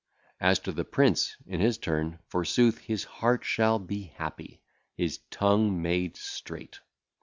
As to the prince, in his turn, forsooth, his heart shall be happy, his tongue made straight.